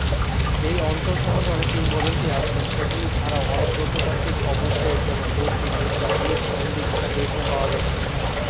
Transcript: এই অঞ্চল সম্বন্ধে অনেক কিংবদন্তি আছে, সেগুলি ছাড়াও, অনেক প্রত্নতাত্ত্বিক অবশেষ, যেমন মূর্তি, মুদ্রা, ইট, মন্দির ইত্যাদি এখানে পাওয়া গেছে।